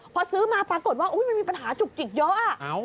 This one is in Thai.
พอซื้อมาปรากฏว่ามันมีปัญหาจุกจิกเยอะ